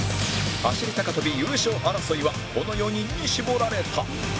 走り高跳び優勝争いはこの４人に絞られた